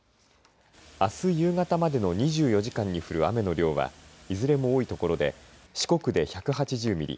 あす夕方までの２４時に降る雨の量はいずれも多いところで四国で１８０ミリ